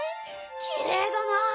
きれいだなあ。